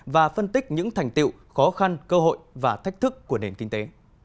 và phân tích những thành tiệu khó khăn cơ hội và thách thức của nền kinh tế